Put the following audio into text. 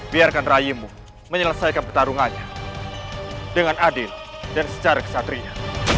biarkan rayimu menyelesaikan pertarungannya dengan adil dan secara kesatria